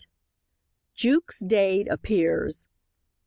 JUKES DADE APPEARS.